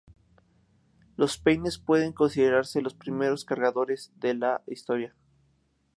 Los peines pueden considerarse los primeros cargadores de la historia.